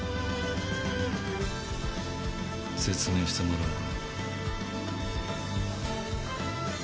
説明してもらおうか。